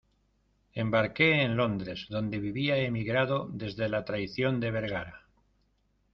embarqué en Londres, donde vivía emigrado desde la traición de Vergara